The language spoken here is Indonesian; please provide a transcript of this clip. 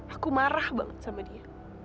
aku marah banget sama dia